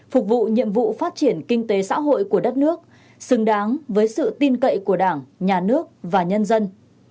phục vụ nhiệm vụ phát triển kinh tế xã hội của đất nước xứng đáng với sự tin cậy của đảng nhà nước và nhân dân